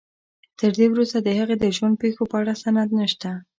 تر دې وروسته د هغې د ژوند پېښو په اړه سند نشته.